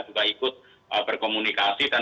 juga ikut berkomunikasi dan